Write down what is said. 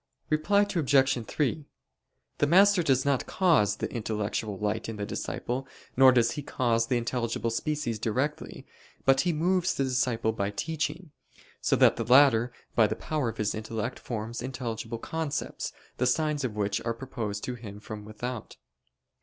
Reply Obj. 3: The master does not cause the intellectual light in the disciple, nor does he cause the intelligible species directly: but he moves the disciple by teaching, so that the latter, by the power of his intellect, forms intelligible concepts, the signs of which are proposed to him from without.